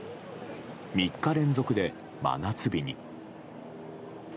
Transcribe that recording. ３日連続で真夏日に。